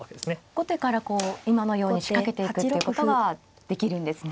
後手からこう今のように仕掛けていくということができるんですね。